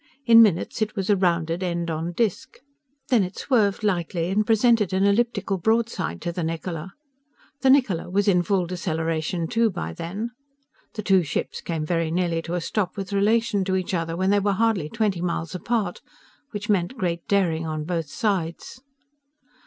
In minutes it was a rounded, end on disk. Then it swerved lightly and presented an elliptical broadside to the Niccola. The Niccola was in full deceleration too, by then. The two ships came very nearly to a stop with relation to each other when they were hardly twenty miles apart which meant great daring on both sides.